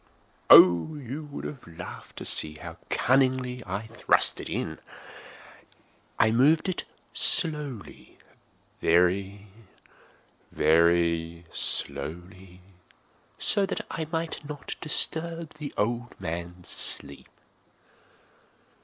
Oh, you would have laughed to see how cunningly I thrust it in! I moved it slowly—very, very slowly, so that I might not disturb the old man's sleep.